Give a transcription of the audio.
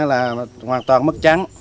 là hoàn toàn mất trắng